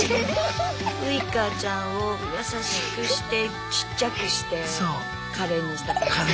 ウイカちゃんを優しくしてちっちゃくしてかれんにした感じ？